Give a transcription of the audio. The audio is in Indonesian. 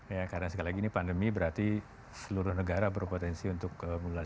ya karena sekali lagi ini pandemi berarti seluruh negara berpotensi untuk menular